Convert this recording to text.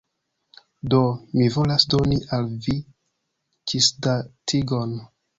Do. Mi volas doni al vi ĝisdatigon